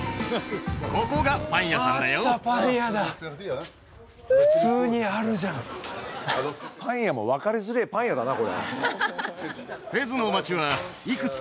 ここがパン屋さんだよあったパン屋だパン屋も分かりづれえパン屋だな